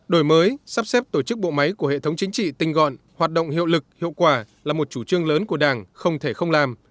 đổi mới sắp xếp tổ chức bộ máy của hệ thống chính trị tinh gọn hoạt động hiệu lực hiệu quả là một chủ trương lớn của đảng không thể không làm